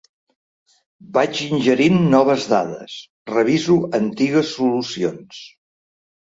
Vaig ingerint noves dades, reviso antigues solucions.